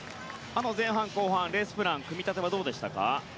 前半、後半、レースプラン組み立てどうでしたか？